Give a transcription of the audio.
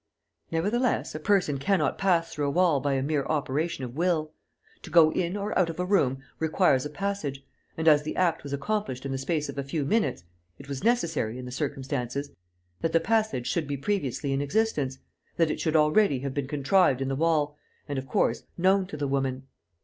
Nevertheless, a person cannot pass through a wall by a mere operation of will. To go in or out of a room requires a passage; and, as the act was accomplished in the space of a few minutes, it was necessary, in the circumstances, that the passage should be previously in existence, that it should already have been contrived in the wall and, of course, known to the woman.